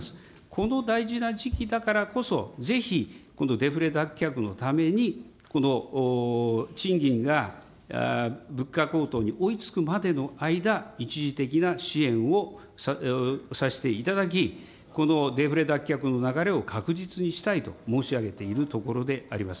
この大事な時期だからこそ、ぜひこのデフレ脱却のために、この賃金が物価高騰に追いつくまでの間、一時的な支援をさせていただき、このデフレ脱却の流れを確実にしたいと申し上げているところであります。